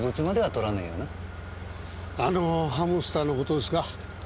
あのハムスターの事ですか？